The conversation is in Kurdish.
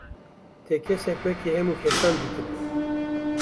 Te kesek wekî hemû kesan dîtibû.